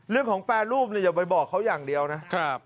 เรื่องของแปรรูปอย่าไปบอกเขาอย่างเดียวนะครับ